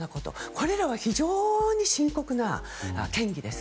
これらは非常に深刻な嫌疑です。